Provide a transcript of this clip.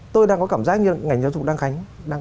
tôi đang có cảm giác như là ngành giáo dục đang gánh